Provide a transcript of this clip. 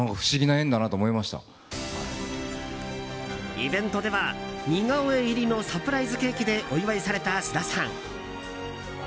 イベントでは似顔絵入りのサプライズケーキでお祝いされた菅田さん。